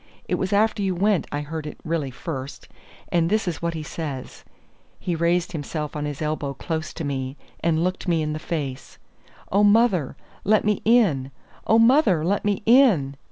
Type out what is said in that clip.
It was after you went I heard it really first; and this is what he says." He raised himself on his elbow close to me, and looked me in the face: "'Oh, mother, let me in! oh, mother, let me in!